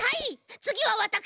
つぎはわたくしが。